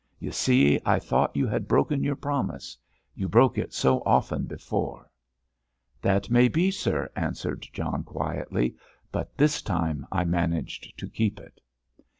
You see, I thought you had broken your promise; you broke it so often before." "That may be, sir," answered John quietly, "but this time I managed to keep it."